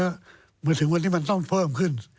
บอกว่ามันจะถึงวันนี้มันต้องเพิ่มขึ้น